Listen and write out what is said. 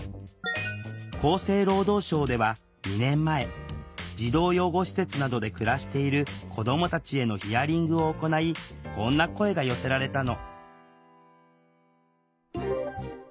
厚生労働省では２年前児童養護施設などで暮らしている子どもたちへのヒアリングを行いこんな声が寄せられたの。